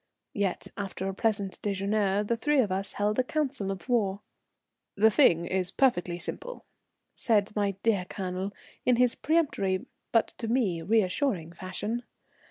Yet, after a pleasant déjeuner, the three of us held a council of war. "The thing is perfectly simple," said my dear Colonel, in his peremptory, but to me reassuring fashion.